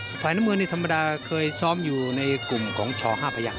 ฝ่ายน้ำเงินนี่ธรรมดาเคยซ้อมอยู่ในกลุ่มของช๕พยักษ